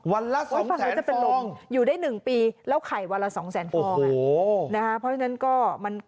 วันละ๒แสนฟองอยู่ได้๑ปีแล้วไข่วันละ๒แสนฟอง